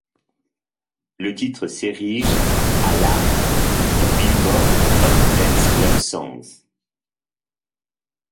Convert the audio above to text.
Le titre s'érige à la du Billboard Hot Dance Club Songs.